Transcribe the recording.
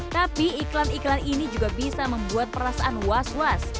tapi iklan iklan ini juga bisa membuat perasaan was was